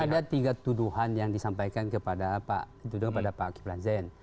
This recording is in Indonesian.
ada tiga tuduhan yang disampaikan kepada pak kiflan zen